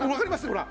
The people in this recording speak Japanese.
ほら。